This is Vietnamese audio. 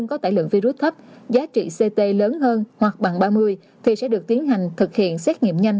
có tải lượng virus thấp giá trị ct lớn hơn hoặc bằng ba mươi thì sẽ được tiến hành thực hiện xét nghiệm nhanh